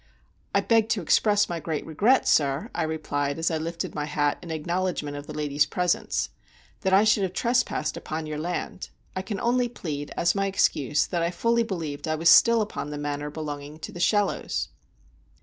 "I beg to express my great regret, sir," I replied, as I lifted my hat in acknowledgment of the lady's presence, "that I should have trespassed upon your land. I can only plead, as my excuse, that I fully believed I was still upon the manor belonging to The Shallows."